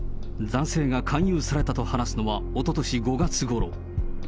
男性が勧誘されたと話すのは、おととし５月ごろ。